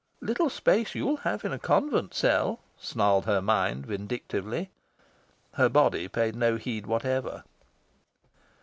"Little space you'll have in a convent cell," snarled her mind vindictively. Her body paid no heed whatever.